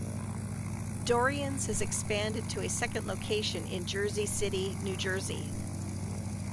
Dorrian's has expanded to a second location in Jersey City, New Jersey.